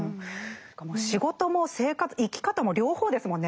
仕事も生き方も両方ですもんね。